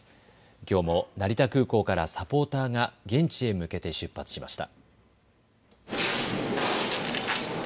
きょうも成田空港からサポーターが現地へ向けて出発しました。